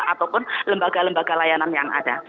ataupun lembaga lembaga layanan yang ada